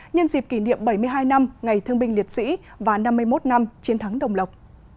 nhân dịp kỷ niệm bảy mươi hai năm ngày thương binh liệt sĩ và năm mươi một năm chiến thắng đồng lộc